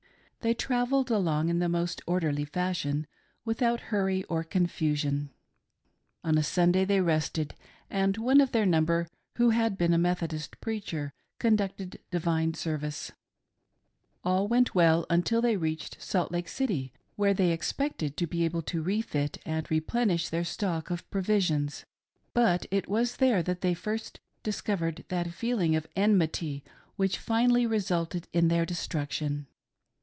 They travelled along in the most orderly fashion, without hurry or confusion. On Sunday they rested, and one of their number who had been a Methodist preacher conducted divine service. All went well until they reached Salt Lake City, jvhere they expected to be able to refit and replenish their stock of provi sions ; but it was there that they first discovered that feeling of enmity which finally resulted in their destruction.